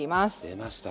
出ました。